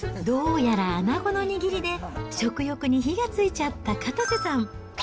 どうやら、アナゴの握りで、食欲に火がついちゃったかたせさん。